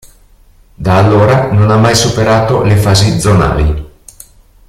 Da allora non ha mai superato le fasi zonali.